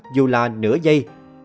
dù là nửa giây